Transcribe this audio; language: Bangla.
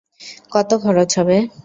কত খরচ হবে?